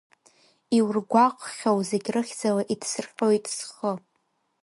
Иургәаҟхьоу зегь рыхьӡала иҭсырҟьоит схы!